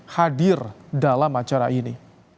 hadir dalam acara ini